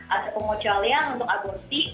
ada pemucahualian untuk aborti